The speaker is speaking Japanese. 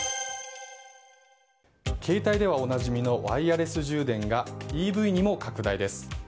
携帯ではおなじみのワイヤレス充電がＥＶにも拡大です。